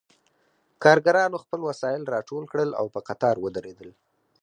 کارګرانو خپل وسایل راټول کړل او په قطار ودرېدل